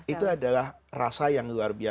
itu adalah rasa yang luar biasa